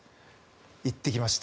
行ってきました。